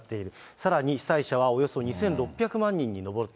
さらに被災者はおよそ２６００万人に上ると。